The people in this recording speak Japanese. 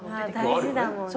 大事だもんね。